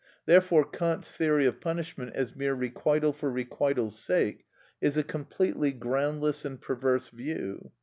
Therefore Kant's theory of punishment as mere requital for requital's sake is a completely groundless and perverse view.